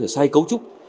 sai cấu trúc